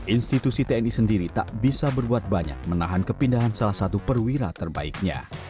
institusi tni sendiri tak bisa berbuat banyak menahan kepindahan salah satu perwira terbaiknya